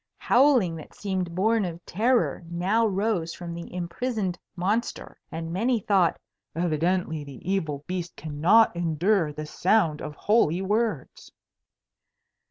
Howlings that seemed born of terror now rose from the imprisoned monster; and many thought, "evidently the evil beast cannot endure the sound of holy words."